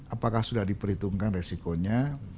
apakah sudah diperhitungkan resikonya